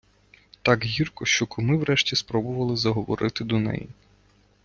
Так гірко, що куми врешті спробували заговорити до неї.